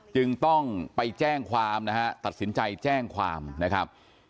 จึงต้องไปแจ้งความนะฮะตัดสินใจแจ้งความนะครับ